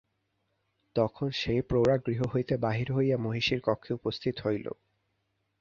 তখন সেই প্রৌঢ়া গৃহ হইতে বাহির হইয়া মহিষীর কক্ষে উপস্থিত হইল।